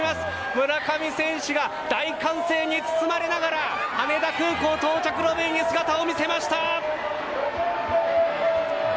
村上選手が大歓声に包まれながら成田空港到着ロビーに姿を見せました。